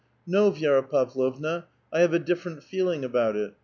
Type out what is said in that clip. *' No, Vi^ra Pavlovna ; I have a different feeling about it.